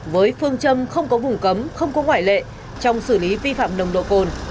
với phương châm không có vùng cấm không có ngoại lệ trong xử lý vi phạm nồng độ cồn